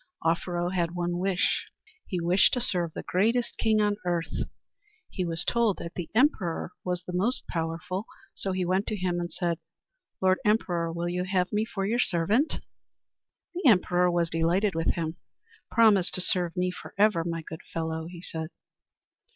Offero had one wish. He wished to serve the greatest king on earth. He was told that the emperor was the most powerful. So he went to him and said, "Lord Emperor, will you have me for your servant?" The emperor was delighted with him. "Promise to serve me for ever, my good fellow," he said.